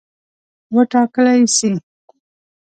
وټاکلي سي.